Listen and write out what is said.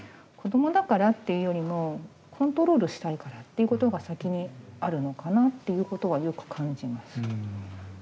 子どもだからっていうよりもコントロールしたいからっていうことが先にあるのかなっていうことはよく感じます。